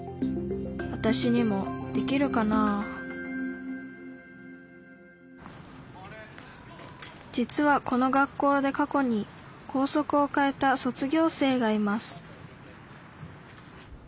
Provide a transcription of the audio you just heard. わたしにもできるかな実はこの学校で過去に校則を変えた卒業生がいます